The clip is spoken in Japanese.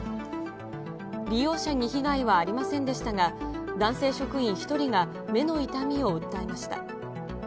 利用者に被害はありませんでしたが、男性職員１人が目の痛みを訴えました。